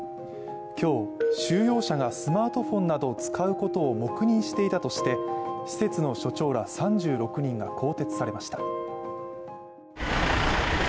今日、収容者がスマートフォンなどを使うことを黙認していたとして施設の所長ら３６人が更迭されました。